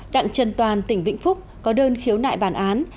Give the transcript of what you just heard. đặng trần toàn tỉnh vĩnh phúc có đơn khiếu nại bản án